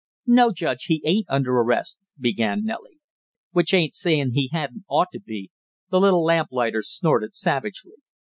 "No, Judge, he ain't under arrest " began Nellie. "Which ain't saying he hadn't ought to be!" the little lamplighter snorted savagely.